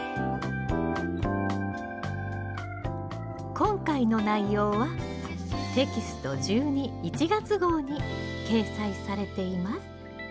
今回の内容はテキスト１２・１月号に掲載されています。